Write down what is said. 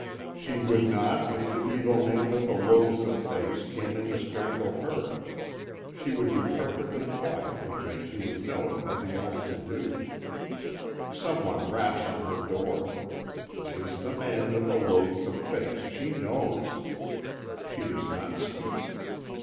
She would not if the evil man with the loathsome face came in to strangle her. She would be perfectly quiet because she would know of nothing else to do. Some one raps on her door. It is the man with the loathsome face, she knows. She does not speak.